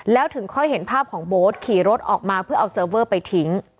แล้วถึงค่อยเห็นภาพของโบ๊ทขี่รถออกมาเพื่อเอาเซิร์ฟเวอร์ไปทิ้ง